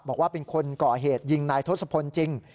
บอกว่าเป็นคนก่อเหตุยิงนายทศพลจริง